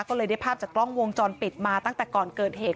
ก็เลยได้ภาพจากกล้องวงจรปิดมาตั้งแต่ก่อนเกิดเหตุ